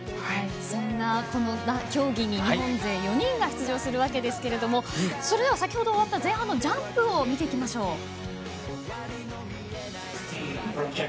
そんな競技に日本勢４人が出場するわけですがそれでは先ほど終わった前半のジャンプを見ていきましょう。